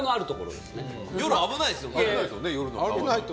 危ないですよね夜の川。